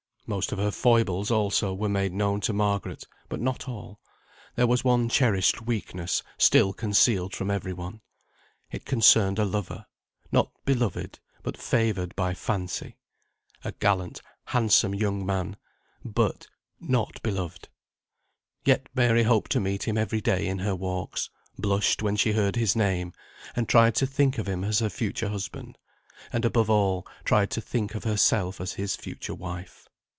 Most of her foibles also were made known to Margaret, but not all. There was one cherished weakness still concealed from every one. It concerned a lover, not beloved, but favoured by fancy. A gallant, handsome young man; but not beloved. Yet Mary hoped to meet him every day in her walks, blushed when she heard his name, and tried to think of him as her future husband, and above all, tried to think of herself as his future wife.